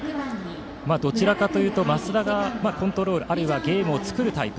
どちらかというと増田がコントロールあるいはゲームを作るタイプ。